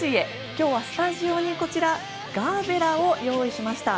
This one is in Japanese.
今日はスタジオにガーベラを用意しました。